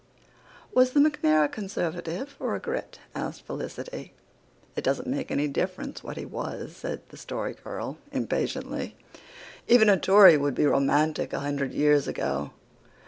"Was the MacNair a Conservative or a Grit?" asked Felicity. "It doesn't make any difference what he was," said the Story Girl impatiently. "Even a Tory would be romantic a hundred years ago.